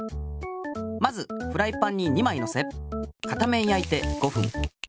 まずフライパンに２まいのせ片面やいて５ふん。